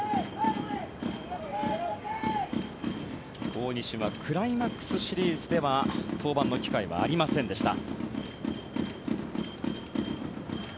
大西はクライマックスシリーズでは登板の機会はありませんでした。